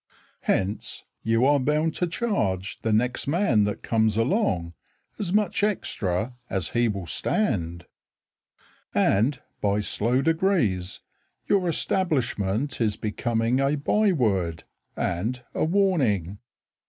Hence You are bound to charge The next man that comes along As much extra as he will stand, And by slow degrees Your establishment Is becoming A by word And a warning.